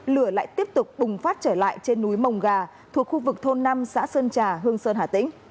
lửa lại tiếp tục bùng phát trở lại trên núi mồng gà thuộc khu vực thôn năm xã sơn trà hương sơn hà tĩnh